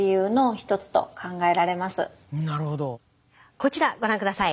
こちらご覧下さい。